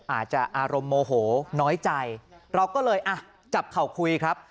อาจจะอารมณ์โมโหน้อยใจเราก็เลยอ่ะจับเข่าคุยครับ